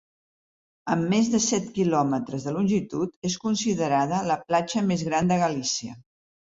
Amb més de set quilòmetres de longitud, és considerada la platja més gran de Galícia.